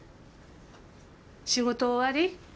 仕事終わり？